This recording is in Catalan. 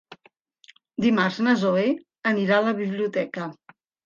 Dimarts na Zoè anirà a la biblioteca.